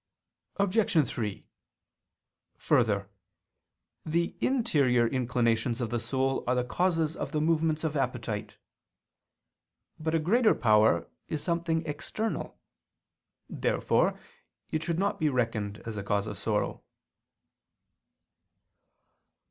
Obj. 3: Further, the interior inclinations of the soul are the causes of the movements of appetite. But a greater power is something external. Therefore it should not be reckoned as a cause of sorrow.